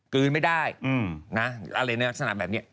กลืนไม่ได้อะไรแบบนี้